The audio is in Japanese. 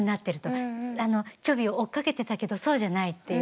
ちょびを追っかけてたけどそうじゃないっていう。